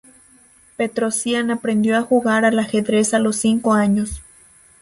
Petrosian aprendió a jugar al ajedrez a los cinco años.